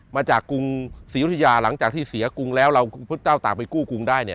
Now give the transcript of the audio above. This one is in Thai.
มาจากกรุงศรียุธยาหลังจากที่เสียกรุงแล้วเราพระเจ้าต่างไปกู้กรุงได้เนี่ย